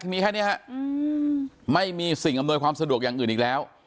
มีแค่นี้ฮะไม่มีสิ่งอำนวยความสะดวกอย่างอื่นอีกแล้ว